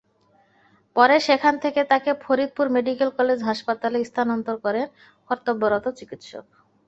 পরে সেখান থেকে তাকে ফরিদপুর মেডিকেল কলেজ হাসপাতালে স্থানান্তর করেন কর্তব্যরত চিকিৎসক।